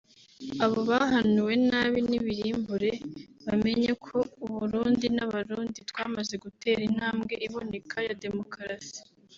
Abo bahanuwe nabi nibirimbure bamenye ko Uburundi n'Abarundi twamaze gutera intambwe iboneka ya demokarasi